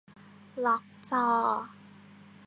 ล็อกจอ